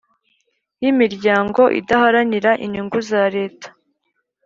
Y’ imiryango idaharanira inyungu za leta